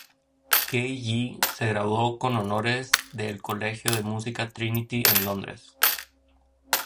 Gay-Yee se graduó con honores de El Colegio de Música Trinity en Londres.